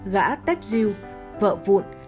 gã tách diêu vợ vụn